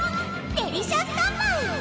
デリシャスタンバイ！